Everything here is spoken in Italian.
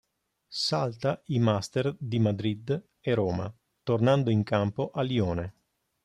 Salta i master di Madrid e Roma, tornando in campo a Lione.